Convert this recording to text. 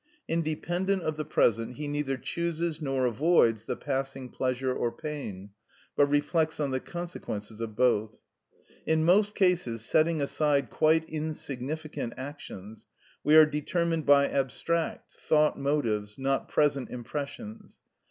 Independent of the present, he neither chooses nor avoids the passing pleasure or pain, but reflects on the consequences of both. In most cases, setting aside quite insignificant actions, we are determined by abstract, thought motives, not present impressions.